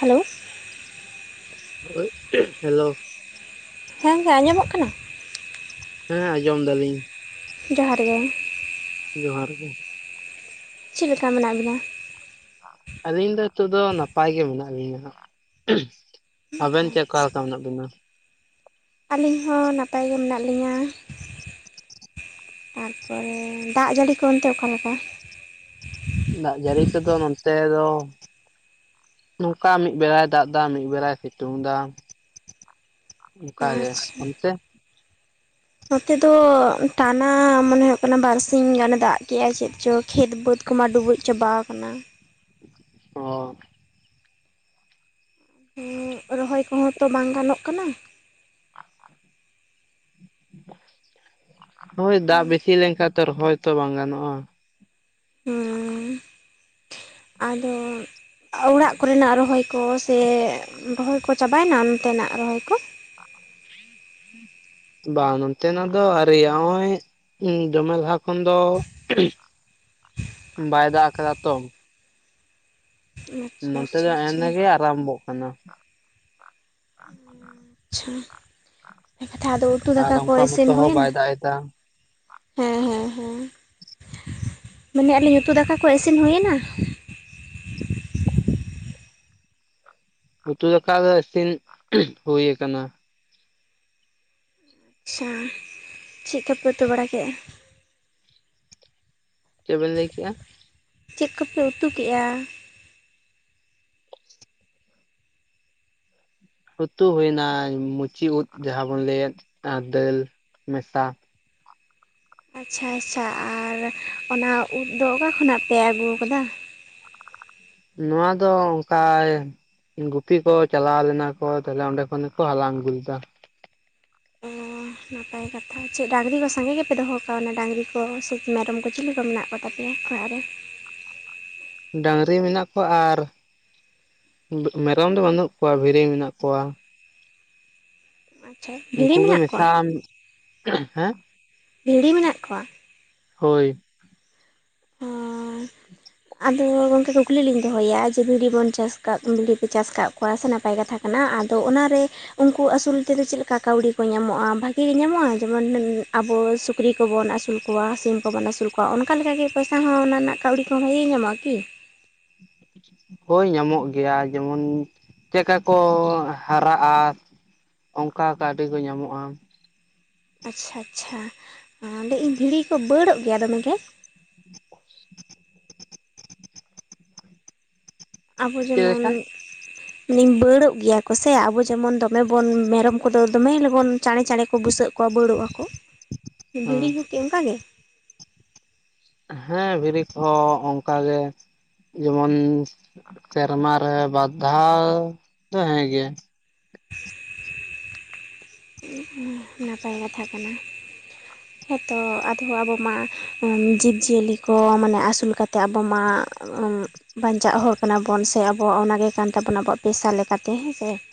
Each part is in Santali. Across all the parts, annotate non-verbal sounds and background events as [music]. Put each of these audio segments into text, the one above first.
ᱦᱟᱞᱳ, ᱦᱮᱞᱳ, ᱦᱮᱸ ᱜᱚᱝᱠᱮ ᱟᱸᱡᱚᱢᱚᱜ ᱠᱟᱱᱟ? ᱦᱮᱸ ᱟᱸᱡᱚᱢ ᱫᱟᱞᱤᱧ᱾ ᱡᱚᱦᱟᱨ ᱜᱮ᱾ ᱡᱚᱦᱟᱨ ᱜᱮ᱾ ᱪᱮᱫ ᱞᱮᱠᱟ ᱢᱮᱱᱟᱜ ᱵᱤᱱᱟ? ᱟᱹᱞᱤᱧ ᱫᱚ ᱦᱤᱛᱚᱜ ᱫᱚ ᱱᱟᱯᱟᱭ ᱜᱮ ᱢᱮᱱᱟᱜ ᱞᱤᱧᱟ ᱦᱟᱸᱜ᱾ ᱟᱵᱮᱱ ᱪᱮ ᱚᱠᱟ ᱞᱮᱠᱟ ᱢᱮᱱᱟᱜ ᱵᱮᱤᱱᱟ? ᱟᱹᱞᱤᱧ ᱦᱚᱸ ᱱᱟᱯᱟᱭ ᱜᱮ ᱢᱤᱱᱟᱜ ᱞᱤᱧᱟ᱾ ᱛᱟᱨᱯᱚᱨᱮ ᱫᱟᱜ ᱡᱟᱹᱲᱤ ᱠᱚ ᱚᱱᱛᱮ ᱚᱠᱟ ᱞᱮᱠᱟ? ᱫᱟᱜ ᱡᱟᱹᱨᱤ ᱠᱚᱫᱚ ᱱᱚᱱᱛᱮ ᱫᱚ ᱱᱚᱝᱠᱟ ᱢᱤ ᱵᱮᱲᱟᱭ ᱫᱟᱜ ᱮᱫᱟ ᱢᱤ ᱵᱮᱲᱟᱭ ᱥᱤᱛᱩᱝ ᱫᱟ᱾ ᱱᱚᱝᱠᱟᱱ ᱜᱮ ᱟᱪᱪᱷᱟ ᱚᱱᱛᱮ? ᱱᱚᱛᱮ ᱫᱚ ᱴᱟᱱᱟ ᱢᱚᱱᱮ ᱦᱩᱭᱩᱜ ᱠᱟᱱᱟ ᱵᱟᱨᱥᱤ ᱜᱟᱱᱮ ᱫᱟᱜ ᱠᱮᱜᱼᱟ ᱪᱮᱫ ᱪᱚ ᱠᱷᱮᱛ ᱵᱟᱹᱫᱽ ᱠᱚ ᱢᱟ ᱰᱩᱵᱩᱡ ᱪᱟᱵᱟ ᱠᱟᱱᱟ᱾ ᱚ ᱨᱚᱦᱚᱭ ᱠᱚᱦᱚᱸ ᱛᱚ ᱵᱟᱝ ᱜᱟᱱᱚᱜ ᱠᱟᱱᱟ᱾ ᱦᱳᱭ ᱫᱟᱜ ᱵᱮᱥᱤ ᱞᱮᱱᱠᱷᱟᱱ ᱛᱚ ᱨᱚᱦᱚᱭ ᱛᱚ ᱵᱟᱝ ᱜᱟᱱᱚᱜᱼᱟ᱾ ᱦᱩᱸ ᱟᱫᱚ ᱚᱲᱟᱜ ᱠᱚᱨᱮ ᱱᱟᱜ ᱨᱚᱦᱚᱭ ᱠᱚ ᱥᱮ ᱨᱚᱦᱚᱭ ᱠᱚ ᱪᱟᱵᱟᱭ ᱮᱱᱟ ᱚᱱᱛᱮ ᱱᱟᱜ ᱨᱚᱦᱚᱭ ᱠᱚ? ᱵᱟᱝ ᱱᱚᱱᱛᱮ ᱱᱟᱜ ᱫᱚ ᱟᱣᱨᱤᱭᱟ ᱚᱜᱼᱚᱭ ᱫᱚᱢᱮ ᱞᱟᱦᱟ ᱠᱷᱚᱱ ᱫᱚ ᱵᱟᱭ ᱫᱟᱜ ᱟᱠᱟᱫᱟ ᱛᱚ ᱾ ᱟᱪᱪᱷᱟ ᱱᱚᱛᱮ ᱟᱪᱪᱷᱟ ᱫᱚ ᱟᱪᱪᱷᱟ ᱮᱱᱜᱮ ᱟᱨᱟᱢᱵᱚᱜ ᱠᱟᱱᱟ᱾ [unintelligible] ᱟᱪᱷᱟ ᱠᱟᱛᱷᱟ ᱟᱫᱚ ᱩᱛᱩ ᱟᱨ ᱫᱟᱠᱟ ᱠᱚ ᱚᱱᱠᱟ ᱢᱚᱛᱚ ᱤᱥᱤᱱ ᱦᱩᱭ ᱦᱚᱸ ᱮᱱᱟ? ᱵᱟᱭ ᱫᱟᱜ ᱮᱫᱟ ᱦᱮᱸ ᱦᱮᱸ ᱦᱮᱸ ᱢᱮᱱᱟᱞᱤᱧ ᱩᱛᱩ ᱫᱟᱠᱟ ᱠᱚ ᱤᱥᱤᱱ ᱦᱩᱭᱱᱟ? ᱩᱛᱩ ᱫᱟᱠᱟ ᱫᱚ ᱤᱥᱤᱱ ᱦᱩᱭ ᱠᱟᱱᱟ᱾ ᱟᱪᱷᱟ ᱪᱤᱜ ᱠᱚᱯᱮ ᱩᱛᱩ ᱵᱟᱲᱟ ᱠᱮᱜ-ᱟ? ᱪᱮᱫ ᱵᱤᱱ ᱞᱟᱹᱭ ᱠᱮᱜᱼᱟ? ᱪᱮᱫ ᱠᱚᱯᱮ ᱩᱛᱩ ᱠᱮᱜᱼᱟ? ᱩᱛᱩ ᱦᱩᱭᱱᱟ ᱢᱩᱪᱹᱤ ᱩᱫ ᱡᱟᱦᱟᱸ ᱵᱚᱱ ᱞᱟᱹᱭᱮᱫ ᱫᱟᱹᱞ ᱢᱮᱥᱟ ᱾ ᱟᱪᱷᱟ ᱟᱪᱷᱟ ᱟᱨ ᱚᱱᱟ ᱩᱫ ᱫᱚ ᱚᱠᱟ ᱠᱷᱚᱱᱟᱜ ᱯᱮ ᱟᱹᱜᱩ ᱟᱠᱟᱫᱟ? ᱱᱚᱣᱟ ᱫᱚ ᱚᱝᱠᱟ ᱜᱩᱯᱤ ᱠᱚ ᱪᱟᱞᱟᱣ ᱞᱮᱱᱟ ᱠᱚ ᱛᱟᱦᱚᱞᱮ ᱚᱸᱰᱮ ᱠᱷᱚᱱ ᱜᱮᱠᱚ ᱦᱟᱞᱟᱝ ᱟᱹᱜᱩ ᱞᱮᱫᱟ᱾ [unintelligible] ᱱᱟᱯᱟᱭ ᱠᱟᱛᱷᱟ ᱪᱮᱫ ᱰᱟᱹᱝᱨᱤ ᱠᱚ ᱥᱟᱸᱜᱮ ᱜᱮᱯᱮ ᱫᱚᱦᱚ ᱠᱟᱣᱱᱟ ᱰᱟᱹᱝᱨᱤ ᱠᱚ ᱥᱮ ᱢᱮᱨᱚᱢ ᱠᱚ ᱪᱤᱞᱤ ᱠᱚ ᱢᱮᱱᱟᱜ ᱠᱚ ᱛᱟᱯᱮᱭᱟ? [inaudible] ᱰᱟᱹᱝᱨᱤ ᱢᱮᱱᱟᱜ ᱠᱚᱣᱟ ᱟᱨ ᱢᱮᱨᱚᱢ ᱫᱚ ᱵᱟᱹᱱᱩᱜ ᱠᱚᱣᱟ ᱵᱷᱤᱨᱤ ᱢᱮᱱᱟᱜ ᱠᱚᱣᱟ᱾ ᱟᱪᱪᱷᱟ ᱵᱷᱤᱲᱤ ᱩᱝᱠᱩ ᱜᱮ ᱢᱮᱱᱟᱜ ᱠᱚᱣᱟ ᱢᱮᱥᱟᱢ ᱟᱢ ᱦᱮᱸ ᱵᱷᱤᱲᱤ ᱢᱮᱱᱟᱜ ᱠᱚᱣᱟ? ᱦᱳᱭ᱾ [inaudible] ᱟᱫᱚ ᱜᱚᱝᱠᱮ ᱠᱩᱠᱞᱤ ᱞᱤᱧ ᱫᱚᱦᱚᱭᱟ ᱡᱮ ᱵᱷᱤᱲᱤ ᱵᱚᱱ ᱪᱟᱥ ᱠᱟᱜ ᱵᱷᱤᱲᱤ ᱯᱮ ᱪᱟᱥ ᱟᱠᱟᱫ ᱠᱚᱣᱟ ᱥᱮ ᱱᱟᱯᱟᱭ ᱠᱟᱛᱷᱟ ᱠᱟᱱᱟ ᱟᱫᱚ ᱚᱱᱟᱨᱮ ᱩᱱᱠᱩ ᱟᱹᱥᱩᱞ ᱛᱮᱫᱚ ᱪᱮᱫ ᱞᱮᱠᱟ ᱠᱟᱹᱣᱰᱤ ᱠᱚ ᱧᱟᱢᱚᱜᱼᱟ ᱵᱷᱟᱹᱜᱤ ᱜᱮ ᱧᱟᱢᱚᱜᱼᱟ ᱡᱮᱢᱚᱱ ᱟᱵᱚ ᱥᱩᱠᱨᱤ ᱠᱚᱵᱚᱱ ᱟᱹᱥᱩᱞ ᱠᱚᱣᱟ ᱥᱤᱢ ᱠᱚᱵᱚᱱ ᱟᱹᱥᱩᱞ ᱠᱚᱣᱟ ᱚᱱᱠᱟ ᱞᱮᱠᱟ ᱜᱮ ᱯᱚᱭᱥᱟ ᱦᱚᱸ ᱚᱱᱟ ᱨᱮᱱᱟᱜ ᱠᱟᱹᱣᱰᱤ ᱠᱚᱦᱚᱸ ᱵᱷᱟᱜᱤ ᱧᱟᱢᱚᱜᱼᱟ ᱠᱤ? ᱦᱳᱭ ᱧᱟᱢᱚᱜ ᱜᱮᱭᱟ ᱡᱮᱢᱚᱱ ᱪᱮᱫ ᱠᱟ ᱠᱚ ᱦᱟᱨᱟᱜᱼᱟ ᱚᱱᱠᱟ ᱠᱟᱹᱣᱰᱤ ᱠᱚ ᱧᱟᱢᱚᱜᱼᱟ ᱾ ᱟᱪᱪᱷᱟ ᱟᱪᱪᱷᱟ ᱞᱟᱹᱭ ᱤᱧ ᱵᱷᱤᱲᱤ ᱠᱚ ᱵᱟᱹᱲᱚᱜ ᱜᱮᱭᱟ ᱫᱚᱢᱮ ᱜᱮ? [unintelligible] ᱟᱵᱚ ᱪᱮᱫ ᱡᱮᱢᱚᱱ ᱞᱮᱠᱟ ᱵᱟᱹᱲᱚᱜ ᱜᱮᱭᱟ ᱠᱚ ᱥᱮ ᱟᱵᱚ ᱡᱮᱢᱚᱱ ᱫᱚᱢᱮ ᱵᱚᱱ ᱢᱮᱨᱚᱢ ᱠᱚᱫᱚ ᱫᱚᱢᱮ ᱞᱚᱜᱚᱱ ᱪᱟᱬᱮ ᱪᱟᱬᱮ ᱠᱚ ᱵᱩᱥᱟᱹᱜ ᱠᱚᱣᱟ ᱵᱟᱹᱲᱚᱜ ᱟᱠᱚ, ᱵᱷᱤᱲᱤ ᱦᱚᱸ ᱠᱤ ᱚᱱᱠᱟ ᱜᱮ? ᱦᱮᱸ ᱵᱷᱤᱲᱤ ᱠᱚᱦᱚᱸ ᱚᱱᱠᱟ ᱜᱮ ᱡᱮᱢᱚᱱ ᱥᱮᱨᱢᱟ ᱨᱮ ᱵᱟᱨ ᱫᱷᱟᱣ ᱫᱚ ᱦᱮᱸ ᱜᱮ ᱾ ᱱᱟᱯᱟᱭ ᱠᱟᱛᱷᱟ ᱠᱟᱱᱟ ᱾ ᱦᱮᱸᱛᱚ ᱟᱫᱚ ᱟᱵᱚ ᱢᱟ ᱡᱤᱵ ᱡᱤᱭᱟᱹᱞᱤ ᱠᱚ ᱢᱟᱱᱮ ᱟᱹᱥᱩᱞ ᱠᱟᱛᱮᱫ ᱟᱵᱚ ᱢᱟ [unintelligible] ᱵᱟᱧᱪᱟᱜ ᱦᱚᱲ ᱠᱟᱱᱟ ᱵᱚᱱ ᱥᱮ ᱟᱵᱚᱣᱟᱜ ᱚᱱᱟᱜᱮ ᱠᱟᱱ ᱛᱟᱵᱚᱱᱟ ᱟᱵᱚᱣᱟᱜ ᱯᱮᱥᱟ ᱞᱮᱠᱟᱛᱮ ᱦᱮᱸᱥᱮ ᱾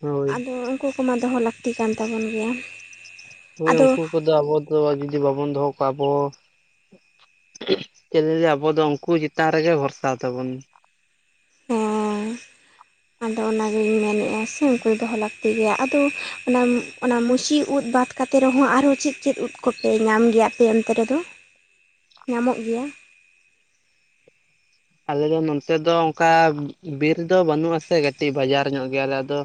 ᱦᱳᱭ ᱟᱫᱚ ᱩᱱᱠᱩ ᱠᱚᱢᱟ ᱫᱚᱦᱚ ᱞᱟᱹᱠᱛᱤ ᱠᱟᱱ ᱛᱟᱵᱚᱱ ᱜᱮᱭᱟ ᱾ ᱦᱳᱭ ᱩᱱᱠᱩ ᱠᱚᱫᱚ ᱟᱵᱚ ᱫᱚ ᱡᱩᱫᱤ ᱵᱟᱵᱚᱱ ᱫᱚᱦᱚ ᱠᱚᱣᱟ ᱟᱵᱚ ᱪᱮᱫ ᱞᱤᱧ ᱞᱟᱹᱭᱟ ᱟᱵᱚ ᱫᱚ ᱩᱱᱠᱩ ᱪᱮᱛᱟᱱ ᱨᱮᱜᱮ ᱵᱷᱚᱨᱥᱟ ᱛᱟᱵᱚᱱ ᱾ ᱚᱸᱻ ᱟᱫᱚ ᱚᱱᱟᱜᱤᱧ ᱢᱮᱱᱮᱜᱼᱟ ᱥᱮ ᱩᱱᱠᱩ ᱫᱚᱦᱚ ᱞᱟᱹᱠᱛᱤ ᱜᱮᱭᱟ, ᱟᱫᱚ ᱚᱱᱟ ᱚᱱᱟ ᱢᱩᱪᱤ ᱩᱫ ᱵᱟᱫᱽ ᱠᱟᱛᱮ ᱨᱮᱦᱚᱸ ᱟᱨᱦᱚᱸ ᱪᱮᱫ ᱪᱮᱫ ᱩᱫ ᱠᱚᱯᱮ ᱧᱟᱢ ᱜᱮᱭᱟᱯᱮ ᱟᱯᱮ ᱚᱱᱛᱮ ᱨᱮᱫᱚ ᱧᱟᱢᱚᱜ ᱜᱮᱭᱟ? ᱟᱞᱮ ᱫᱚ ᱱᱚᱱᱛᱮ ᱫᱚ ᱚᱱᱠᱟ ᱵᱤᱨ ᱫᱚ ᱵᱟᱹᱱᱩᱜᱼᱟ ᱥᱮ ᱠᱟᱹᱴᱤᱡ ᱵᱟᱡᱟᱨ ᱧᱚᱜ ᱜᱮᱭᱟ ᱟᱞᱮ ᱟᱫᱚ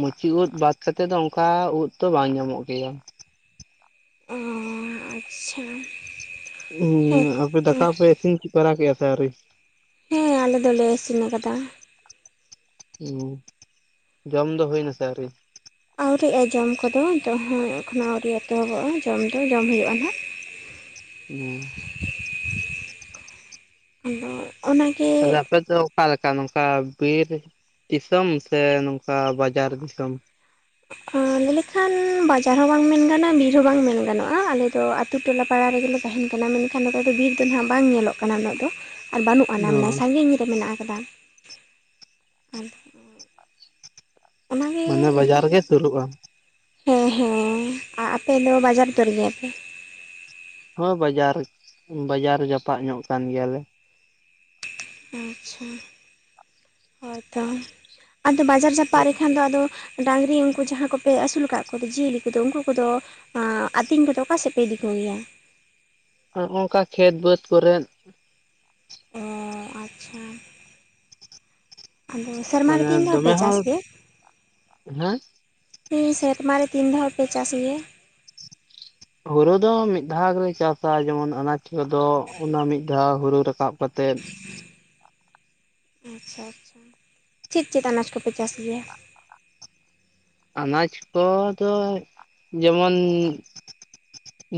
ᱢᱩᱪᱤ ᱩᱫ ᱵᱟᱫᱽ ᱠᱟᱛᱮᱫ ᱫᱚ ᱚᱱᱠᱟ ᱩᱫ ᱛᱚ ᱵᱟᱝ ᱧᱟᱢᱚᱜ ᱜᱮᱭᱟ ᱾ ᱚᱸᱻ ᱟᱪᱪᱷᱟ ᱾ ᱦᱩᱸ ᱟᱯᱮ ᱫᱟᱠᱟ ᱩᱛᱩ ᱯᱮ ᱤᱥᱤᱱ ᱵᱟᱨᱟ ᱠᱮᱫᱟ ᱥᱮ ᱟᱹᱣᱨᱤ? ᱦᱮᱸ ᱟᱞᱮ ᱫᱚᱞᱮ ᱤᱥᱤᱱ ᱟᱠᱟᱫᱟ ᱾ ᱚ ᱡᱚᱢ ᱫᱚ ᱦᱩᱭ ᱱᱟᱥᱮ ᱟᱣᱨᱤ? ᱟᱹᱣᱨᱤᱜᱼᱟ ᱡᱚᱢ ᱠᱚᱫᱚ ᱛᱚ ᱦᱮᱸ ᱮᱠᱷᱳᱱᱳ ᱟᱹᱣᱨᱤ ᱮᱛᱚᱦᱚᱵᱚᱜᱼᱟ ᱡᱚᱢ ᱫᱚ ᱡᱚᱢ ᱦᱩᱭᱩᱜᱼᱟ ᱱᱟᱦᱟᱜ ᱾ ᱚᱻ ᱾ ᱟᱫᱚ ᱚᱱᱮ [inaudible] ᱟᱯᱮ ᱫᱚ ᱚᱠᱟ ᱞᱮᱠᱟ ᱱᱚᱝᱠᱟ ᱵᱤᱨ ᱫᱤᱥᱚᱢ ᱥᱮ ᱱᱚᱝᱠᱟ ᱵᱟᱡᱟᱨ ᱫᱤᱥᱚᱢ? ᱦᱩᱸ ᱞᱮᱠᱷᱟᱱ ᱵᱟᱡᱟᱨ ᱦᱚᱸ ᱵᱟᱝ ᱢᱮᱱ ᱜᱟᱱᱚᱜᱼᱟ ᱵᱤᱨ ᱦᱚᱸ ᱵᱟᱝ ᱢᱮᱱ ᱜᱟᱱᱚᱜᱼᱟ ᱟᱞᱮᱫᱚ ᱟᱛᱳ ᱴᱚᱞᱟ ᱯᱟᱲᱟ ᱨᱮᱜᱮᱞᱮ ᱛᱟᱦᱮᱱ ᱠᱟᱱᱟ ᱢᱮᱱᱠᱷᱟᱱ ᱱᱚᱛᱮ ᱫᱚ ᱵᱤᱨ ᱫᱚ ᱱᱟᱦᱟᱜ ᱵᱟᱝ ᱧᱮᱞᱚᱜ ᱠᱟᱱᱟ ᱩᱱᱟᱹᱜ ᱫᱚ ᱾ ᱟᱨ ᱢᱟᱱᱮ ᱵᱟᱹᱱᱩᱜ ᱟᱱᱟ ᱚ ᱢᱟᱱᱮ ᱥᱟᱺᱜᱤᱧ ᱨᱮ ᱢᱮᱱᱟᱜ ᱟᱠᱟᱫᱟ ᱾ ᱚᱱᱟᱜᱮ ᱢᱟᱱᱮ ᱤᱱᱠᱟᱹ ᱵᱟᱡᱟᱨ ᱜᱮ ᱥᱩᱨᱩᱜᱼᱟ ᱦᱮᱸ ᱦᱮᱸ ᱟᱯᱮ ᱫᱚ ᱵᱟᱡᱟᱨ ᱩᱛᱟᱹᱨ ᱜᱮᱭᱟ ᱯᱮ? ᱦᱳ ᱵᱟᱡᱟᱨ ᱵᱟᱡᱟᱨ ᱡᱟᱯᱟᱜ ᱧᱚᱜ ᱠᱟᱱ ᱜᱮᱭᱟᱞᱮ ᱾ ᱟᱪᱪᱷᱟ ᱾ ᱦᱚᱭᱛᱚ ᱟᱫᱚ ᱵᱟᱡᱟᱨ ᱡᱟᱯᱟᱜ ᱨᱮᱠᱷᱟᱱ ᱫᱚ ᱟᱫᱚ ᱰᱟᱝᱨᱤ ᱩᱱᱠᱩ ᱡᱟᱦᱟᱸ ᱠᱚᱯᱮ ᱟᱹᱥᱩᱞ ᱟᱠᱟᱫ ᱠᱚ ᱡᱤᱭᱟᱹᱞᱤ ᱠᱚᱫᱚ ᱩᱱᱠᱩ ᱠᱚᱫᱚ ᱟᱸ ᱟᱛᱤᱧ ᱠᱚᱫᱚ ᱚᱠᱟ ᱥᱮᱫ ᱯᱮ ᱤᱫᱤ ᱠᱚᱜᱮᱭᱟ? ᱦᱚᱜᱼᱚᱝᱠᱟ ᱠᱷᱮᱛ ᱵᱟᱹᱫᱽ ᱠᱚᱨᱮ ᱾ ᱚᱻ ᱟᱪᱪᱷᱟ᱾ ᱟᱫᱚ ᱥᱮᱨᱢᱟᱨᱮ ᱢᱟᱱᱮ ᱛᱤᱱ ᱫᱷᱟᱣ ᱯᱮ ᱫᱚᱢᱮ ᱪᱟᱥ ᱦᱚᱸ ᱜᱮᱭᱟ? ᱦᱮᱸ ᱤᱧ ᱥᱮᱨᱢᱟ ᱨᱮ ᱛᱤᱱ ᱫᱷᱟᱣ ᱯᱮ ᱪᱟᱥ ᱜᱮᱭᱟ? ᱦᱩᱨᱩ ᱫᱚ ᱢᱤᱫ ᱫᱷᱟᱣ ᱜᱮᱞᱮ ᱪᱟᱥᱟ ᱡᱮᱢᱚᱱ ᱟᱱᱟᱡ ᱠᱚᱫᱚ ᱚᱱᱟ ᱢᱤᱫ ᱫᱷᱟᱣ ᱦᱩᱨᱩ ᱨᱟᱠᱟᱵ ᱠᱟ ᱠᱟᱛᱮᱫ ᱾ ᱟᱪᱪᱷᱟ ᱟᱪᱪᱷᱟ ᱪᱮᱫ ᱪᱮᱫ ᱟᱱᱟᱡ ᱠᱚᱯᱮ ᱪᱟᱥ ᱜᱮᱭᱟ? ᱟᱱᱟᱡ ᱠᱚ ᱫᱚ ᱡᱮᱢᱚᱱᱻ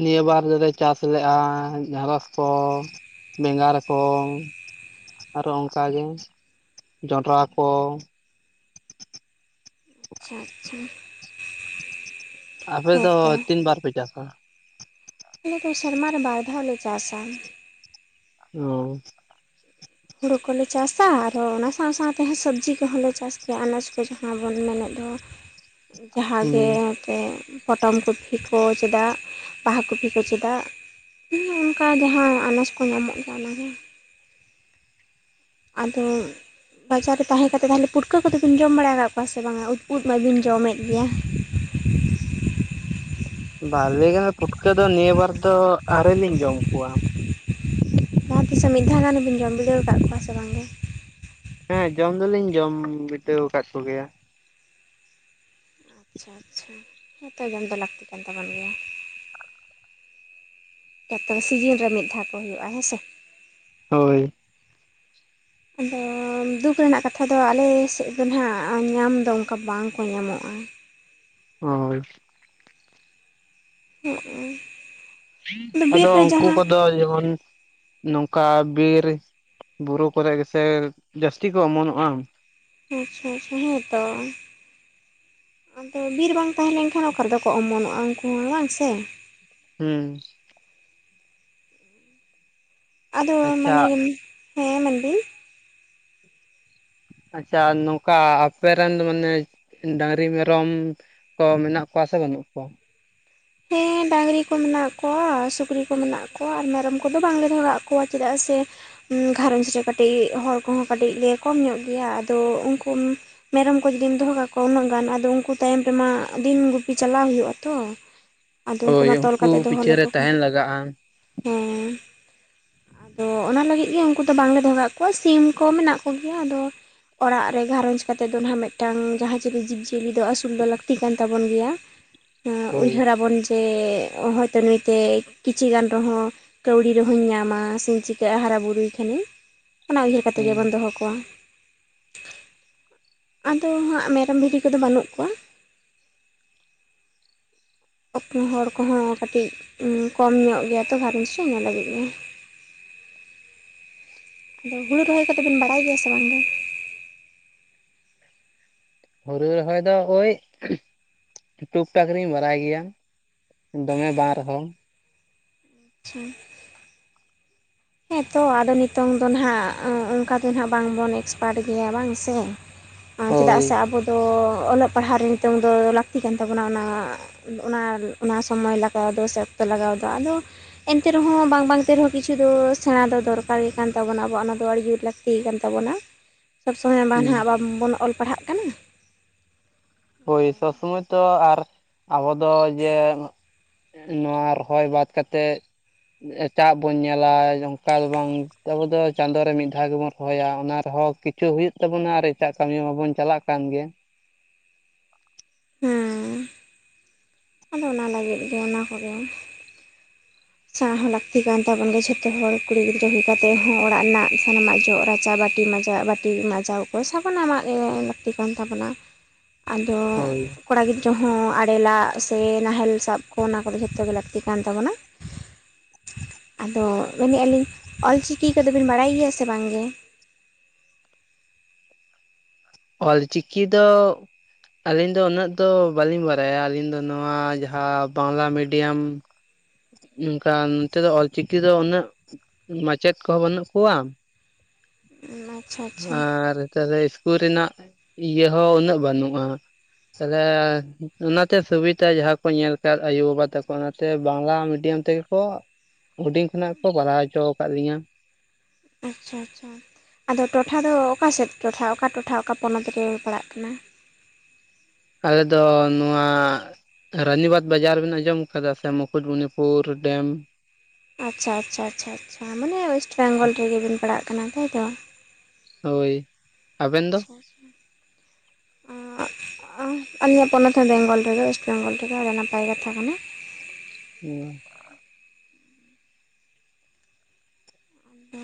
ᱱᱤᱭᱟᱹ ᱵᱟᱨ ᱫᱚᱞᱮ ᱪᱟᱥ ᱞᱮᱜᱼᱟ ᱰᱮᱸᱨᱚᱥ ᱠᱚ, ᱵᱮᱸᱜᱟᱲ ᱠᱚ ᱾ ᱟᱨᱚ ᱚᱱᱠᱟ ᱜᱮ, ᱡᱚᱱᱰᱨᱟ ᱠᱚ ᱾ ᱟᱪᱪᱷᱟ, ᱟᱪᱪᱷᱟ ᱾ ᱟᱯᱮ ᱫᱚ ᱦᱮᱸᱛᱚ ᱛᱤᱱ ᱵᱟᱨ ᱯᱮ ᱪᱟᱥᱟ? ᱟᱞᱮ ᱫᱚ ᱥᱮᱨᱢᱟ ᱨᱮ ᱵᱟᱨ ᱫᱷᱟᱣᱞᱮ ᱪᱟᱥᱟ ᱾ ᱚ ᱾ ᱦᱩᱲᱩ ᱠᱚᱞᱮ ᱪᱟᱥᱟ, ᱟᱨᱦᱚᱸ ᱚᱱᱟ ᱥᱟᱶ ᱥᱟᱶᱛᱮ ᱦᱚᱸ ᱥᱚᱵᱽᱡᱤ ᱠᱚᱦᱚᱸᱞᱮ ᱪᱟᱥ ᱜᱮᱭᱟ ᱟᱱᱟᱡᱽ ᱠᱚ ᱡᱟᱦᱟᱸ ᱵᱚᱱ ᱢᱮᱱᱮᱫ ᱫᱚ ᱾ ᱡᱟᱦᱟᱸ ᱦᱩᱸ ᱜᱮ ᱥᱮ ᱯᱚᱴᱚᱢ ᱠᱚᱯᱤ ᱠᱚ ᱪᱮᱫᱟᱜ ᱵᱟᱦᱟ ᱠᱚᱯᱤ ᱠᱚ ᱪᱮᱫᱟᱜ ᱦᱩᱸ ᱚᱱᱠᱟ ᱜᱮ ᱦᱟᱸᱜ ᱟᱱᱟᱪᱽ ᱠᱚ ᱧᱟᱢᱚᱜ ᱜᱮᱭᱟ ᱚᱱᱟᱜᱮ ᱾ ᱟᱫᱚ ᱵᱟᱡᱟᱨ ᱨᱮ ᱛᱟᱦᱮᱸ ᱠᱟᱛᱮ ᱛᱟᱦᱚᱞᱮ ᱯᱩᱴᱠᱟᱹ ᱠᱚᱫᱚᱵᱮᱱ ᱡᱚᱢ ᱵᱟᱲᱟᱣ ᱠᱟᱜ ᱠᱚᱣᱟ ᱥᱮ ᱵᱟᱝᱟ? ᱩᱫ ᱩᱫ ᱢᱟᱵᱤᱱ ᱡᱚᱢᱮᱜ ᱜᱮᱭᱟ ᱾ ᱵᱟ ᱞᱮᱭ ᱜᱟᱱᱚᱜᱼᱟ ᱯᱩᱴᱠᱟᱹ ᱫᱚ ᱱᱤᱭᱟᱹ ᱵᱟᱨ ᱫᱚ ᱟᱣᱨᱤᱞᱤᱧ ᱡᱚᱢ ᱠᱚᱣᱟ ᱾ ᱡᱟᱦᱟᱸ ᱛᱤᱥᱚᱜ ᱢᱤᱫ ᱫᱷᱟᱣ ᱜᱟᱱᱵᱤᱱ ᱡᱚᱢ ᱵᱤᱰᱟᱹᱣ ᱟᱠᱟᱜ ᱠᱚᱣᱟ ᱥᱮ ᱵᱟᱝᱜᱮ? ᱦᱮᱸ, ᱡᱚᱢ ᱫᱚᱞᱤᱧ ᱡᱚᱢ ᱵᱤᱰᱟᱹᱣ ᱠᱟᱫ ᱠᱚᱜᱮᱭᱟ ᱾ ᱟᱪᱪᱷᱟ ᱟᱪᱪᱷᱟ, ᱦᱮᱸᱛᱚ ᱡᱚᱢ ᱫᱚ ᱞᱟᱹᱠᱛᱤ ᱠᱟᱱ ᱛᱟᱵᱚᱱ ᱜᱮᱭᱟ ᱾ ᱡᱚᱛᱚ ᱥᱤᱡᱤᱱ ᱨᱮ ᱢᱤᱫ ᱫᱷᱟᱣ ᱠᱚ ᱦᱳᱭᱳᱜᱼᱟ ᱦᱮᱸ ᱥᱮ? ᱦᱳᱭ᱾ ᱟᱫᱚ ᱫᱩᱠ ᱨᱮᱱᱟᱜ ᱠᱟᱛᱷᱟ ᱫᱚ ᱟᱞᱮ ᱥᱮᱜ ᱫᱚ ᱱᱟᱦᱟᱜ ᱧᱟᱢ ᱫᱚ ᱚᱝᱠᱟ ᱵᱟᱝᱠᱚ ᱧᱟᱢᱚᱜᱼᱟ ᱾ ᱦᱳᱭ᱾ ᱦᱩᱸᱜ ᱩᱸ᱾ ᱟᱫᱚ ᱩᱝᱠᱚ ᱠᱚᱫᱚ ᱡᱮᱢᱚᱱ ᱱᱚᱝᱠᱟ ᱵᱤᱨ ᱵᱩᱨᱩ ᱠᱚᱨᱮᱜ ᱜᱮᱥᱮ ᱡᱟᱹᱥᱛᱤ ᱠᱚ ᱚᱢᱚᱱᱚᱜᱼᱟ ᱾ ᱟᱪᱪᱷᱟ, ᱟᱪᱪᱷᱟ, ᱦᱮᱸᱛᱚ ᱾ ᱟᱫᱚ ᱵᱤᱨ ᱵᱟᱝ ᱛᱟᱦᱮᱸ ᱞᱮᱝᱠᱷᱟᱱ ᱚᱠᱟᱨᱮᱫᱚ ᱠᱚ ᱚᱢᱚᱱᱚᱜᱼᱟ ᱩᱝᱠᱩ ᱦᱚᱸ ᱦᱮᱸ ᱵᱟᱝ ᱥᱮ? ᱦᱩᱸ᱾ ᱟᱫᱚ ᱢᱟᱱᱮ, ᱟᱪᱪᱷᱟ ᱦᱮᱸ ᱢᱮᱱᱵᱤᱱ᱾ ᱟᱪᱪᱷᱟ, ᱱᱚᱝᱠᱟ ᱟᱯᱮᱨᱮ ᱨᱮᱱ ᱫᱚ ᱢᱟᱱᱮ ᱰᱟᱝᱨᱤ, ᱢᱮᱨᱚᱢ ᱠᱚ ᱢᱮᱱᱟᱜ ᱠᱚᱣᱟ ᱥᱮ ᱵᱟᱹᱱᱩᱜ ᱠᱚᱣᱟ? ᱦᱮᱸ ᱰᱟᱹᱝᱨᱤ ᱠᱚ ᱢᱮᱱᱟᱜ ᱠᱚᱣᱟ, ᱥᱩᱠᱨᱤ ᱠᱚ ᱢᱮᱱᱟᱜ ᱠᱚᱣᱟ ᱟᱨ ᱢᱮᱨᱚᱢ ᱠᱚᱫᱚ ᱵᱟᱝᱞᱮ ᱫᱚᱦᱚ ᱠᱟᱜ ᱠᱚᱣᱟ ᱾ ᱪᱮᱫᱟᱜ ᱥᱮ ᱜᱷᱟᱨᱚᱸᱧᱡᱽ ᱨᱮ ᱠᱟᱹᱴᱤᱡ ᱦᱚᱲ ᱠᱚᱦᱚᱸ ᱠᱟᱹᱴᱤᱡ ᱞᱮ ᱠᱚᱢ ᱧᱚᱜ ᱜᱮᱭᱟ, ᱟᱫᱚ ᱩᱝᱠᱩ ᱢᱮᱨᱚᱢ ᱠᱚ ᱡᱩᱫᱤᱢ ᱫᱚᱦᱚ ᱠᱟᱜ ᱠᱚᱣᱟ ᱩᱱᱟᱹᱜ ᱜᱟᱱ ᱟᱫᱚ ᱩᱝᱠᱩ ᱛᱟᱭᱚᱢ ᱨᱮᱢᱟ ᱫᱤᱱ ᱜᱩᱯᱤ ᱪᱟᱞᱟᱣ ᱦᱩᱭᱩᱜᱼᱟ ᱛᱚ ᱾ ᱟᱫᱚ ᱩᱝᱠᱩ ᱢᱟ ᱦᱳᱭ ᱛᱚᱞ ᱠᱟᱛᱮᱫ ᱩᱱᱠᱩ ᱫᱚᱦᱚ ᱯᱤᱪᱷᱟᱹ ᱨᱮ ᱞᱮᱠᱚ ᱠᱷᱟᱱ, ᱛᱟᱦᱮᱱ ᱞᱟᱜᱟᱜᱼᱟ ᱦᱮᱸ᱾ ᱟᱫᱚ ᱚᱱᱟ ᱞᱟᱹᱜᱤᱜ ᱜᱮ ᱩᱱᱠᱩ ᱫᱚ ᱵᱟᱝᱞᱮ ᱫᱚᱦᱚ ᱠᱟᱜ ᱠᱚᱣᱟ ᱥᱤᱢ ᱠᱚ ᱢᱮᱱᱟᱜ ᱠᱚᱜᱮᱭᱟ, ᱟᱫᱚ ᱚᱲᱟᱜ ᱨᱮ ᱜᱷᱟᱨᱚᱸᱡᱽ ᱠᱟᱛᱮᱫ ᱫᱚ ᱱᱟᱦᱱᱟᱜ ᱢᱮᱫᱴᱟᱝ ᱡᱟᱦᱟᱸ ᱪᱤᱞᱤ ᱡᱤᱵᱽ ᱡᱤᱭᱟᱹ ᱞᱤ ᱫᱚ ᱟᱹᱥᱩᱞ ᱫᱚ ᱞᱟᱹᱠᱛᱤ ᱠᱟᱱ ᱛᱟᱵᱚᱱ ᱜᱮᱭᱟ, ᱮᱸ ᱦᱳᱭ ᱩᱭᱦᱟᱹᱨᱟ ᱵᱚᱱ ᱡᱮ ᱦᱚᱭᱛᱚ ᱱᱩᱭᱛᱮᱭ ᱠᱤᱪᱷᱤ ᱜᱟᱱ ᱨᱮᱦᱚᱸ ᱠᱟᱹᱣᱰᱤ ᱨᱮᱦᱚᱸᱧ ᱧᱟᱢᱟ ᱥᱮᱧ ᱪᱤᱠᱟᱹᱜᱼᱟ ᱦᱟᱨᱟ ᱵᱩᱨᱩᱭ ᱠᱷᱟᱱᱤᱧ, ᱚᱱᱟ ᱩᱭᱦᱟᱹᱨ ᱠᱟᱛᱮᱜ ᱦᱩᱸ ᱜᱮᱵᱚᱱ ᱫᱚᱦᱚ ᱠᱚᱣᱟ, ᱟᱫᱚ ᱦᱟᱸᱜ ᱢᱮᱨᱚᱢ ᱵᱷᱤᱰᱤ ᱠᱚᱫᱚ ᱵᱟᱹᱱᱩᱜ ᱠᱚᱣᱟ ᱾ ᱦᱚᱲ ᱠᱚᱦᱚᱸ ᱠᱟᱹᱴᱤᱡ ᱠᱚᱢ ᱧᱚᱜ ᱜᱮᱭᱟ ᱛᱚ ᱜᱷᱟᱨᱚᱧᱽᱪ ᱨᱮ ᱧᱮᱞ ᱞᱟᱹᱜᱤᱫ ᱢᱟ ᱾ ᱟᱫᱚ ᱦᱩᱲᱩ ᱨᱚᱦᱚᱭ ᱠᱚᱫᱚ ᱵᱮᱱ ᱵᱟᱲᱟᱭ ᱜᱮᱭᱟ ᱥᱮ ᱵᱟᱝ ᱜᱮ? ᱦᱩᱨᱩ ᱨᱚᱦᱚᱭ ᱫᱚ ᱳᱭ, ᱴᱩᱠ ᱴᱟᱠ ᱨᱤᱧ ᱵᱟᱨᱟᱭ ᱜᱮᱭᱟ ᱾ ᱫᱚᱢᱮ ᱵᱟᱝ ᱨᱮᱦᱚᱸ ᱾ ᱪᱷᱟ᱾ ᱦᱮᱸ ᱛᱚ ᱟᱫᱚ ᱱᱤᱛᱚᱝ ᱫᱚ ᱱᱟᱦᱟᱜ ᱚᱝᱠᱟ ᱫᱚ ᱱᱟᱦᱟᱜ ᱵᱟᱝ ᱵᱚᱱ ᱮᱠᱥᱯᱟᱨᱴ ᱜᱮᱭᱟ, ᱵᱟᱝ ᱥᱮ᱾ ᱟ ᱪᱮᱫᱟᱜ ᱦᱳᱭ ᱥᱮ ᱟᱵᱚ ᱫᱚ ᱚᱞᱚᱜ ᱯᱟᱲᱦᱟᱜ ᱨᱮ ᱱᱤᱛᱳᱝ ᱫᱚ ᱞᱟᱹᱠᱛᱤ ᱠᱟᱱ ᱛᱟᱵᱚᱱᱟ, ᱚᱱᱟ ᱚᱱᱟ ᱚᱱᱟ ᱥᱚᱢᱚᱭ ᱞᱟᱜᱟᱣ ᱫᱚ ᱥᱮ ᱚᱠᱛᱚ ᱞᱟᱜᱟᱣ ᱫᱚ, ᱟᱫᱚ ᱮᱱᱛᱮ ᱨᱮᱦᱚᱸ ᱵᱟᱝ-ᱵᱟᱝᱛᱮ ᱠᱤᱪᱷᱩ ᱫᱚ ᱥᱮᱬᱟ ᱫᱚᱨᱠᱟᱨ ᱜᱮ ᱠᱟᱱ ᱛᱟᱵᱚᱱᱟ ᱦᱮ ᱚᱱᱟ ᱫᱚ ᱫᱚᱨᱠᱟᱨ ᱜᱮ ᱠᱟᱱ ᱛᱟᱵᱚᱱᱟ ᱟᱵᱚᱣᱟᱜ ᱚᱱᱟ ᱫᱚ ᱟᱹᱰᱤ ᱡᱳᱨ ᱞᱟᱹᱠᱛᱤ ᱜᱮ ᱠᱟᱱ ᱛᱟᱵᱚᱱᱟ ᱥᱚᱵᱽ ᱥᱚᱢᱚᱭ ᱵᱟᱝ ᱦᱩᱸ ᱦᱟᱸᱜ ᱟᱵᱚ ᱵᱚᱱ ᱚᱞ ᱯᱟᱲᱦᱟᱜ ᱠᱟᱱᱟ᱾ ᱦᱳᱭ ᱥᱚᱢᱚᱭ ᱛᱚ ᱟᱨ ᱟᱵᱚ ᱡᱮ ᱱᱚᱣᱟ ᱨᱚᱦᱚᱭ ᱵᱟᱫ ᱠᱟᱛᱮᱜ ᱮᱴᱟᱜ ᱵᱚᱱ ᱧᱮᱞᱟ ᱚᱱᱠᱟ ᱫᱚ ᱵᱟᱝ ᱟᱵᱚᱫ ᱫᱚ ᱪᱟᱸᱫᱳ ᱨᱮ ᱢᱤᱫ ᱫᱷᱟᱣ ᱜᱮᱵᱚᱱ ᱨᱚᱦᱚᱭᱟ ᱚᱱᱟ ᱨᱮᱦᱚᱸ ᱦᱚᱪᱚ ᱦᱩᱭᱩᱜ ᱛᱟᱵᱚᱱᱟ ᱟᱨ ᱮᱴᱟᱜ ᱠᱟᱹᱢᱤ ᱢᱟᱵᱚᱱ ᱪᱟᱞᱟᱜ ᱠᱟᱱ ᱜᱮ᱾ ᱦᱮᱸ᱾ ᱟᱫᱚ ᱚᱱᱟ ᱞᱟᱹᱜᱤᱫ ᱜᱮ ᱚᱱᱟ ᱠᱚᱫᱚ ᱾ ᱪᱟᱸ ᱦᱚᱸ ᱞᱟᱹᱠᱛᱤ ᱠᱟᱱ ᱛᱟᱵᱚᱱ ᱜᱮᱭᱟ ᱡᱷᱚᱛᱚ ᱦᱚᱲ ᱠᱩᱲᱤ ᱜᱤᱫᱽᱨᱟᱹ ᱦᱩᱭ ᱠᱟᱛᱮᱜ ᱦᱚᱸ ᱚᱲᱟᱜ ᱨᱮᱱᱟᱜ ᱥᱟᱱᱟᱢᱟᱜ ᱡᱚᱜ ᱨᱟᱪᱟᱵᱟᱴ ᱵᱟᱴᱤ ᱢᱟᱡᱟᱣ ᱵᱟᱴᱤ ᱢᱟᱡᱟᱣ ᱠᱚ ᱥᱟᱵᱩᱱ ᱟᱢᱟᱜ ᱞᱟᱹᱠᱛᱤ ᱠᱟᱱ ᱛᱟᱵᱚᱱᱟ᱾ ᱟᱫᱚ ᱦᱳᱭ ᱠᱚᱲᱟ ᱜᱤᱫᱽᱨᱟᱹ ᱦᱚᱸ ᱟᱲᱮ ᱞᱟᱜ ᱥᱮ ᱱᱟᱦᱮᱞ ᱥᱟᱵ ᱠᱚ ᱚᱱᱟ ᱠᱚᱫᱚ ᱡᱷᱚᱛᱚ ᱜᱮ ᱞᱟᱹᱠᱛᱤ ᱠᱟᱱ ᱛᱟᱵᱚᱱᱟ᱾ ᱟᱫᱚ ᱢᱮᱱᱮᱫ ᱟᱹᱞᱤᱧ ᱚᱞᱪᱤᱠᱤ ᱠᱚᱫᱚ ᱵᱤᱱ ᱵᱟᱲᱟᱭ ᱜᱮᱭᱟ ᱥᱮ ᱵᱟᱝᱜᱮ? ᱚᱞᱪᱤᱠᱤ ᱫᱚ ᱼᱼ ᱟᱹᱞᱤᱧ ᱫᱚ ᱩᱱᱟᱹᱜ ᱫᱚ ᱵᱟᱹᱞᱤᱧ ᱵᱟᱲᱟᱭᱟ ᱟᱹᱞᱤᱧ ᱫᱚ ᱱᱚᱣᱟ ᱡᱟᱦᱟᱸ ᱵᱟᱝᱞᱟ ᱢᱤᱰᱤᱭᱟᱢ ᱚᱱᱠᱟ ᱱᱚᱛᱮ ᱫᱚ ᱚᱞᱪᱤᱠᱤ ᱫᱚ ᱩᱱᱟᱹᱜ ᱢᱟᱪᱮᱫ ᱠᱚᱦᱚᱸ ᱵᱟᱹᱱᱩᱜ ᱠᱚᱣᱟ ᱟᱪᱪᱷᱟ ᱟᱪᱪᱷᱟ ᱟᱨ ᱛᱟᱦᱚᱞᱮ ᱤᱥᱠᱩᱞ ᱨᱮᱱᱟᱜ ᱤᱭᱟᱹ ᱦᱚᱸ ᱩᱱᱟᱹᱜ ᱵᱟᱹᱱᱩᱜᱼᱟ ᱛᱟᱦᱚᱞᱮ ᱚᱱᱟᱛᱮ ᱥᱩᱵᱤᱛᱟ ᱡᱟᱦᱟᱸ ᱠᱚ ᱟᱠᱟᱫ ᱟᱭᱩᱵᱟᱵᱟ ᱛᱟᱠᱚ ᱚᱱᱟᱛᱮ ᱵᱟᱝᱞᱟ ᱢᱤᱰᱤᱭᱟᱢ ᱛᱮ ᱠᱚ ᱦᱩᱰᱤᱧ ᱠᱷᱚᱱᱟᱜ ᱠᱚ ᱵᱟᱲᱦᱟᱣ ᱦᱚᱪᱚ ᱟᱠᱟᱫ ᱞᱤᱧᱟᱹ ᱾ ᱟᱪᱪᱷᱟ ᱟᱪᱪᱷᱟ ᱾ ᱟᱫᱚ ᱴᱚᱴᱷᱟ ᱫᱚ ᱚᱠᱟ ᱥᱮᱫ ᱴᱚᱴᱷᱟ ᱚᱠᱟ ᱴᱚᱴᱷᱟ ᱚᱠᱟ ᱯᱚᱱᱚᱛ ᱨᱮ ᱯᱟᱲᱟᱜ ᱠᱟᱱᱟ? ᱟᱞᱮ ᱫᱚ ᱱᱚᱣᱟᱼᱼ ᱨᱟᱱᱤᱵᱟᱫᱽ ᱵᱟᱡᱟᱨ ᱵᱮᱱ ᱟᱸᱡᱚᱢ ᱟᱠᱟᱫᱟ ᱥᱮ ᱢᱩᱠᱩᱴᱢᱚᱱᱤᱯᱩᱨ ᱰᱮᱢ? ᱟᱪᱪᱷᱟ ᱟᱪᱪᱷᱟ ᱟᱪᱷᱟᱷᱟ ᱢᱟᱱᱮ ᱚᱭᱮᱥᱮᱴ ᱵᱮᱝᱜᱚᱞ ᱨᱮᱜᱮᱵᱤᱱ ᱯᱟᱲᱟᱜ ᱠᱟᱱᱟ ᱛᱟᱭᱛᱚ? ᱦᱳᱭ ᱟᱵᱮᱱ ᱫᱚ ᱟᱪᱪᱷᱟ᱾ ᱟᱹᱞᱟᱜ ᱯᱚᱱᱚᱛ ᱵᱮᱝᱜᱚᱞ ᱨᱮᱜᱮ ᱚᱭᱮᱥᱮᱴ ᱵᱮᱝᱜᱚᱞ ᱨᱮᱜᱮ ᱟᱹᱰᱤ ᱱᱟᱯᱟᱭ ᱠᱟᱛᱷᱟ ᱠᱟᱱᱟ᱾ [inaudible]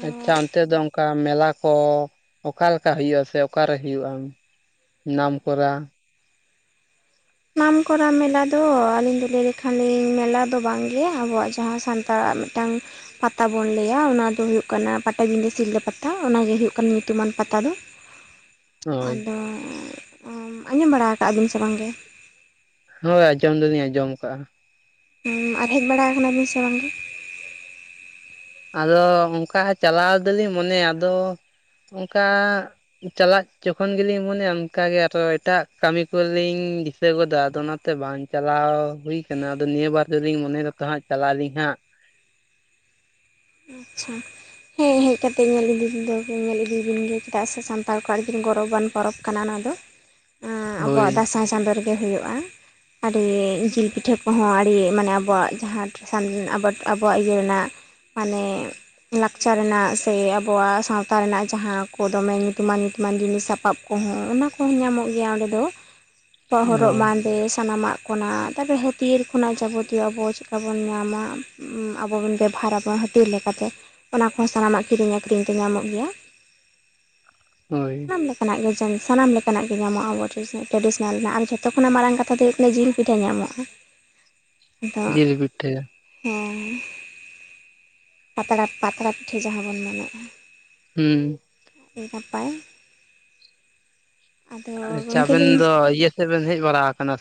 ᱟᱪᱪᱷᱟ ᱚᱱᱛᱮ ᱫᱚ ᱚᱱᱠᱟ ᱚᱱᱠᱟ ᱢᱮᱞᱟ ᱠᱚ ᱚᱠᱟ ᱞᱮᱠᱟ ᱦᱩᱭᱩᱜᱼᱟ ᱥᱮ ᱚᱠᱟᱨᱮ ᱦᱩᱭᱩᱜᱼᱟ ᱱᱟᱢᱠᱚᱨᱟ? ᱥᱟᱱᱟᱢᱠᱚᱨ ᱢᱮᱞᱟ ᱫᱚ ᱟᱹᱞᱤᱧ ᱫᱚ ᱞᱟᱹᱭ ᱞᱮᱠᱷᱟᱱ ᱞᱤᱧ ᱢᱮᱞᱟ ᱫᱚ ᱵᱟᱝ ᱜᱮ ᱟᱵᱚᱣᱟᱜ ᱡᱟᱦᱟᱸ ᱥᱟᱱᱛᱟᱲ ᱛᱟ ᱢᱤᱫᱴᱟᱝ ᱯᱟᱛᱟ ᱵᱚᱱ ᱞᱟᱹᱭᱟ ᱚᱱᱟ ᱫᱚ ᱦᱩᱭᱩᱜ ᱠᱟᱱᱟ ᱯᱟᱴᱟᱵᱤᱸᱫᱟᱹ ᱥᱤᱞᱫᱟᱹ ᱯᱟᱛᱟ ᱚᱱᱟᱜᱮ ᱦᱩᱭᱩᱜ ᱠᱟᱱᱟ ᱧᱩᱛᱩᱢᱟᱱ ᱯᱟᱛᱟ ᱫᱚ᱾ ᱦᱳᱭ ᱟᱫᱚ ᱟᱸᱡᱚᱢ ᱵᱟᱲᱟ ᱠᱟᱜ ᱵᱤᱱ ᱥᱮ ᱵᱟᱝᱜᱮ? ᱦᱳᱭ ᱟᱸᱡᱚᱢ ᱫᱚᱞᱤᱧ ᱟᱸᱡᱚᱢ ᱟᱠᱟᱟᱜᱼᱟ‍᱾ ᱟᱨ ᱦᱮᱡ ᱵᱟᱲᱟ ᱟᱠᱟᱱᱟ ᱵᱤᱱ ᱥᱮ ᱵᱟᱝᱜᱮ? ᱟᱫᱚ ᱚᱱᱠᱟ ᱪᱟᱞᱟᱣ ᱫᱚᱞᱤᱧ ᱢᱚᱱᱮᱭᱟ ᱟᱫᱚ ᱚᱱᱠᱟ ᱪᱟᱞᱟᱜ ᱡᱚᱠᱷᱚᱱ ᱜᱮᱞᱤᱧ ᱢᱚᱱᱮᱭᱟ ᱚᱱᱠᱟᱜᱮ ᱟᱨᱚ ᱮᱴᱟᱜ ᱠᱟᱹᱢᱤ ᱠᱚᱞᱤᱧ ᱫᱤᱥᱟᱹ ᱜᱚᱫᱟ ᱟᱫᱚ ᱚᱱᱟ ᱛᱮ ᱵᱟᱝ ᱪᱟᱞᱟᱣ ᱦᱩᱭ ᱟᱠᱟᱱᱟ ᱟᱫᱚ ᱱᱤᱭᱟᱹ ᱵᱟᱨ ᱫᱚᱞᱤᱧ ᱢᱚᱱᱮᱭ ᱫᱟ ᱛᱚ ᱦᱟᱸᱜ ᱪᱟᱞᱟᱜ ᱟᱹᱞᱤᱧ ᱦᱟᱸᱜ᱾ ᱟᱪᱪᱷᱟ ᱾ ᱦᱮᱸ ᱦᱮᱡ ᱠᱟᱛᱮ ᱧᱮᱞ ᱤᱫᱤ ᱫᱚ ᱧᱮᱞ ᱤᱫᱤᱭ ᱵᱤᱱ ᱜᱮ ᱪᱮᱫᱟᱜ ᱥᱮ ᱥᱟᱱᱛᱟᱲ ᱠᱚᱣᱟᱜ ᱟᱹᱰᱤ ᱜᱚᱨᱚᱵᱟᱱ ᱯᱚᱨᱚᱵᱽ ᱠᱟᱱᱟ ᱱᱚᱣᱟ ᱫᱚ᱾ ᱦᱳᱭ ᱟᱵᱚᱣᱟᱜ ᱫᱟᱸᱥᱟᱭ ᱪᱟᱸᱫ ᱨᱮᱜᱮ ᱦᱩᱭᱩᱜᱼᱟ᱾ ᱟᱹᱰᱤ ᱡᱤᱞ ᱯᱤᱴᱷᱟᱹ ᱠᱚᱦᱚᱸ ᱟᱹᱰᱤ ᱢᱟᱱᱮ ᱟᱵᱚᱣᱟᱜ ᱡᱟᱦᱟᱸᱮᱥ ᱟᱵᱚᱣᱟᱜ ᱤᱭᱟᱹ ᱨᱮᱱᱟᱜ ᱢᱟᱱᱮ ᱞᱟᱠᱪᱟᱨ ᱨᱮᱱᱟᱜ ᱥᱮ ᱟᱵᱚᱣᱟᱜ ᱥᱟᱶᱛᱟ ᱨᱮᱱᱟᱜ ᱡᱟᱦᱟᱸ ᱠᱚ ᱫᱚᱢᱮ ᱧᱩᱛᱩᱢᱟᱱ ᱧᱩᱛᱩᱢᱟᱱ ᱡᱤᱱᱤᱥ ᱥᱟᱯᱟᱵ ᱠᱚᱦᱚᱸ ᱚᱱᱟ ᱠᱚᱦᱚᱸ ᱧᱟᱢᱚᱜ ᱜᱮᱭᱟ ᱚᱸᱰᱮ ᱫᱚ ᱦᱚᱨᱚᱜ ᱵᱟᱸᱫᱮ ᱥᱟᱱᱟᱢᱟᱜ᱾ ᱠᱷᱚᱱᱟᱜ ᱛᱟᱯᱚᱨᱮ ᱦᱟᱹᱛᱭᱟᱹᱨ ᱠᱷᱚᱱᱟᱜ ᱡᱟᱵᱚᱛᱤᱭᱚ ᱟᱵᱚ ᱪᱮᱫᱠᱟ ᱵᱚᱱ ᱧᱟᱢᱟ᱾ ᱟᱵᱚᱵᱚᱱ ᱵᱮᱵᱚᱦᱟᱨᱟ ᱵᱚᱱ [inaudible] ᱠᱟᱛᱮ ᱚᱱᱟ ᱠᱚᱦᱚᱸ ᱥᱟᱱᱟᱢᱟᱜ ᱠᱤᱨᱤᱧ ᱟᱠᱷᱨᱤᱧ ᱛᱮ ᱧᱟᱢᱚᱜ ᱜᱮᱭᱟ ᱾ ᱦᱳᱭ ᱾ ᱥᱟᱱᱟᱢ ᱞᱮᱠᱟᱱᱟᱜ ᱜᱮ ᱥᱟᱱᱟᱢ ᱞᱮᱠᱟᱱᱟᱜ ᱜᱮ ᱧᱟᱢᱚᱜᱼᱟ ᱟᱵᱚ ᱴᱰᱤᱥᱚᱱᱟᱞ ᱨᱮᱱᱟᱜ ᱟᱨ ᱡᱷᱚᱛᱚ ᱠᱷᱚᱱᱟᱜ ᱢᱟᱨᱟᱝ ᱠᱟᱛᱷᱟ ᱫᱚ ᱡᱤᱞ ᱯᱤᱴᱷᱟᱹ ᱧᱟᱢᱚᱜᱼᱟ ᱟᱫᱚ ᱡᱤᱞ ᱯᱤᱴᱷᱟᱹ ᱦᱮᱸ ᱯᱟᱛᱲᱟ ᱯᱟᱛᱲᱟ ᱯᱤᱴᱷᱟᱹ ᱡᱟᱦᱟᱸ ᱵᱚᱱ ᱢᱮᱱᱮᱜᱼᱟ ᱾ ᱦᱩᱸ᱾ ᱟᱹᱰᱤ ᱱᱟᱯᱟᱭ ᱟᱫᱚ ᱟᱪᱪᱷᱟ ᱜᱚᱢᱠᱮ ᱟᱵᱮᱱ ᱞᱤᱧ ᱫᱚ ᱤᱭᱟᱹ ᱥᱮᱫ ᱵᱮᱱ ᱦᱮᱡ ᱵᱟᱲᱟ ᱟᱠᱟᱱᱟ